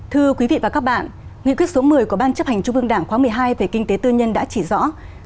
thưa quý vị và các bạn nghị quyết số một mươi của ban chấp hành trung ương đảng khóa một mươi hai về kinh tế tư nhân đã chỉ rõ